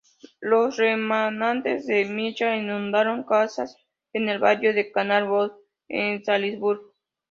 Los remanentes de Michael inundaron casas en el barrio de Canal Woods en Salisbury.